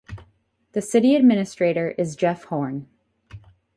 The City Administrator is Jeff Horne.